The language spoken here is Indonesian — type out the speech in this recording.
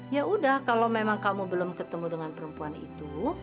ya udah kalau memang kamu belum ketemu dengan perempuan itu